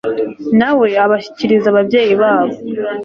na we abashyikiriza ababyeyi babo